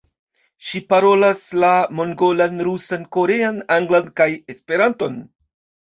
Ŝi parolas la mongolan, rusan, korean, anglan kaj Esperanton.